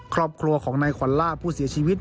ครอบครัวของนายขวัลล่าผู้เสียชีวิต